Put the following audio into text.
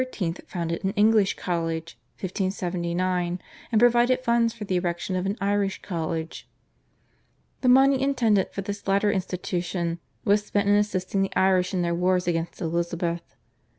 founded an English College (1579) and provided funds for the erection of an Irish College. The money intended for this latter institution was spent in assisting the Irish in their wars against Elizabeth.